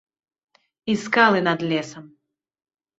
І скалы над лесам.